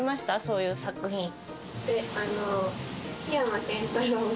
そういう作品？